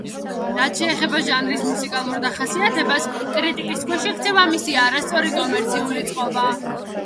რაც შეეხება ჟანრის მუსიკალურ დახასიათებას, კრიტიკის ქვეშ ექცევა მისი არასწორი კომერციული წყობა.